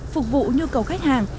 phục vụ nhu cầu khách hàng